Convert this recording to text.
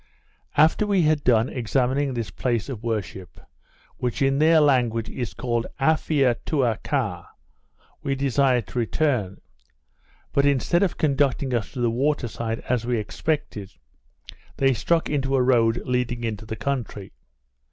After we had done examining this place of worship, which in their language is called A fia tou ca, we desired to return; but, instead of conducting us to the water side as we expected, they struck into a road leading into the country.